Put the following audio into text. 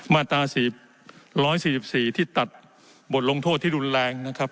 มาตราสี่ร้อยสี่สี่ที่ตัดบทลงโทษที่รุนแรงนะครับ